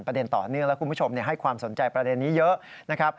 ต่อเนื่องแล้วคุณผู้ชมให้ความสนใจประเด็นนี้เยอะนะครับ